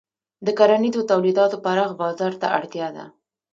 د کرنیزو تولیداتو پراخ بازار ته اړتیا ده.